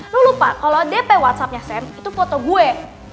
lu lupa kalau dp whatsappnya sam itu foto gue